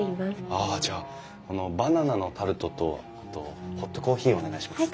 ああじゃあこのバナナのタルトとあとホットコーヒーをお願いします。